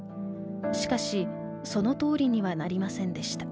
しかしそのとおりにはなりませんでした。